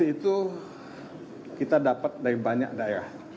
itu kita dapat dari banyak daerah